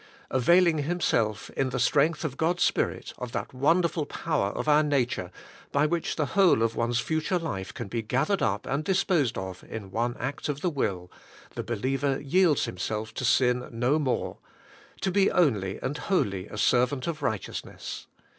Availing himself, in the strength of God's Spirit, of that wonderful power of our nature by which the whole of one's future life can be gathered up and disposed of in one 124 ABIDE IN CHRIST: act of the will, the believer yields himself to sin no more, — to be only and wholly a servant of righteous ness.